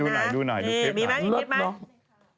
ดูหน่อยดูคลิปหน่อย